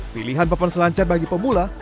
pilihan papan selancar bagi pemula